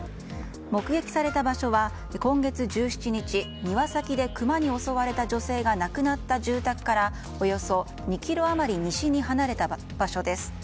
目撃された場所は、今月１７日庭先でクマに襲われた女性が亡くなった住宅からおよそ２ｋｍ余り西に離れた場所です。